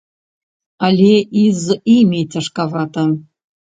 Але і з імі цяжкавата.